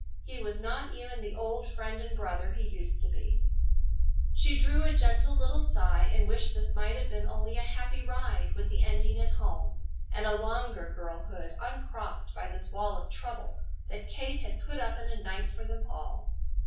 He was not even the old friend and brother he used to be. She drew a gentle little sigh and wished this might have been only a happy ride with the ending at home, and a longer girlhood uncrossed by this wall of trouble that Kate had put up in a night for them all.